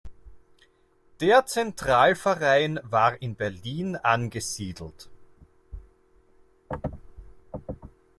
Der Centralverein war in Berlin angesiedelt.